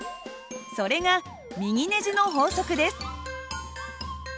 それが右ネジの法則です。